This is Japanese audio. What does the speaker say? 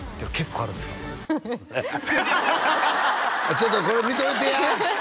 ちょっとこれ見といてや！